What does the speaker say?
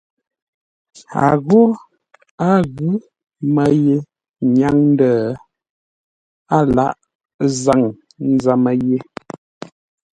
A ghô a ghʉ́ mə́ ye nyáŋ ndə̂ a lâghʼ zâŋ ńzə́mə́ yé.